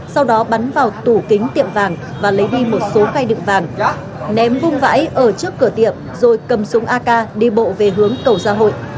sau đó bắn vào tủ kính tiệm vàng và lấy đi một số cây đựng vàng ném hung vãi ở trước cửa tiệm rồi cầm súng ak đi bộ về hướng cầu gia hội